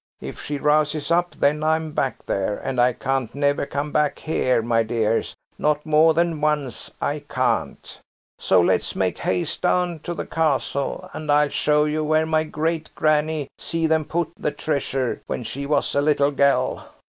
If she rouses up, then I'm back there, and I can't never come back here, my dears, not more than once, I can't. So let's make haste down to the Castle, and I'll show you where my great granny see them put the treasure when she was a little gell."